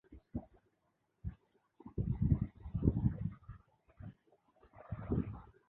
কেহ তাহাকে ছাড়িয়া আসিয়া দুঃখিত নয়।